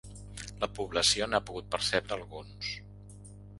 La població n’ha pogut percebre alguns.